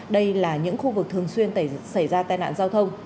đây là những khu vực thường xuyên xảy ra tai nạn giao thông